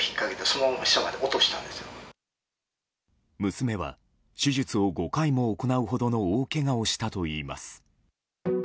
娘は手術を５回も行うほどの大けがをしたといいます。